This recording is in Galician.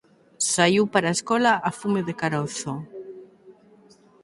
Saíu para a escola a fume de carozo.